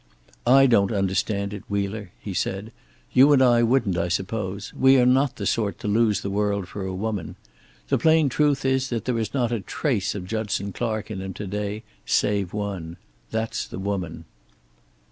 "I don't understand it, Wheeler," he said. "You and I wouldn't, I suppose. We are not the sort to lose the world for a woman. The plain truth is that there is not a trace of Judson Clark in him to day, save one. That's the woman."